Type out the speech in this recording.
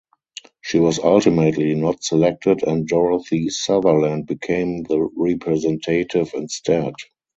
She was ultimately not selected and Dorothy Sutherland became the representative instead.